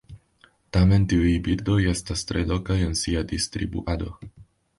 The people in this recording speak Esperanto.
Tamen tiuj birdoj estas tre lokaj en sia distribuado.